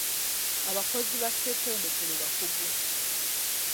Abakozi ba ssetendekero bakugu.